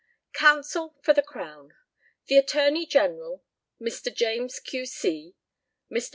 COUNSEL FOR THE CROWN. The ATTORNEY GENERAL, Mr. JAMES, Q.C., Mr.